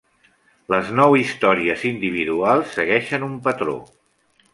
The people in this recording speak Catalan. Les nou històries individuals segueixen un patró.